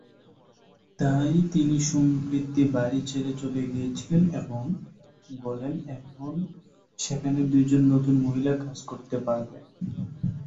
তাই তিনি সম্প্রতি বাড়ি ছেড়ে চলে গিয়েছিলেন এবং বলেন এখন সেখানে দু'জন নতুন মহিলা কাজ করতে পারেন।